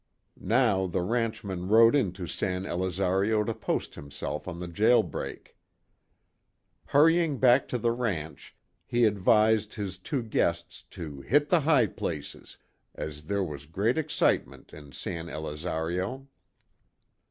Now the ranchman rode into San Elizario to post himself on the jail break. Hurrying back to the ranch, he advised his two guests to "hit the high places," as there was great excitement in San Elizario.